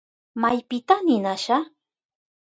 ¿Maypita ninasha?